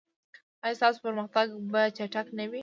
ایا ستاسو پرمختګ به چټک نه وي؟